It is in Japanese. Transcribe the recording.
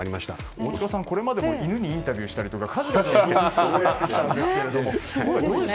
大塚さん、これまでも犬にインタビューしたりとか数々の動物と触れ合ってきたんですけれども。